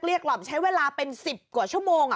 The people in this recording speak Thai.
เรียกเราใช้เวลาเป็นสิบกว่าชั่วโมงอ่ะ